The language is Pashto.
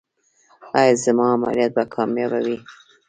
ایا زما عملیات به کامیابه وي؟